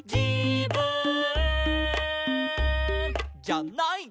「じゃない」